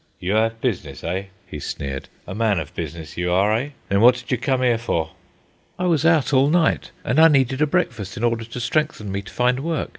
"You 'ave business, eh?" he sneered. "A man of business you are, eh? Then wot did you come 'ere for?" "I was out all night, and I needed a breakfast in order to strengthen me to find work.